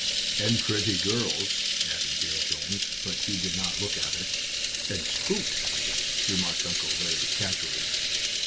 "And pretty girls," added Dear Jones; but he did not look at her. "And spooks," remarked Uncle Larry, casually.